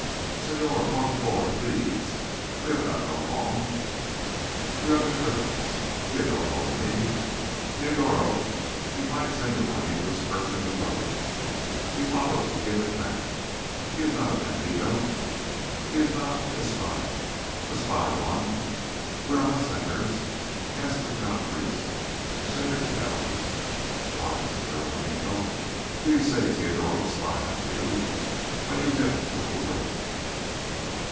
"Señor, por favor—please—we have done no wrong. We are the Trinfans—Teodoro and me. Teodoro, he finds Señor Juanito's purse in the road, he follows to give it back. He is not a bandido—he is not espía, a spy one. We are mustangers. Ask of Don Reese, of Señor Kells. Why, Señor Juanito, do you say Teodoro spy on you, why you hit him with the whip?"